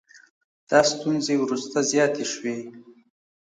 دا ستونزې وروسته زیاتې شوې